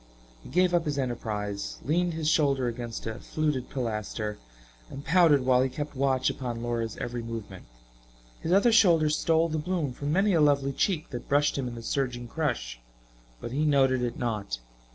He gave up his enterprise, leaned his shoulder against a fluted pilaster and pouted while he kept watch upon Laura's every movement. His other shoulder stole the bloom from many a lovely cheek that brushed him in the surging crush, but he noted it not.